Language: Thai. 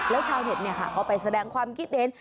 แล้วชาวเท็จเนี่ยค่ะก็ไปแสดงความคิดเด่น